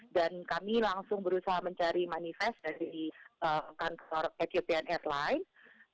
dan kami langsung berusaha mencari manifest dari kantor etiopian airlines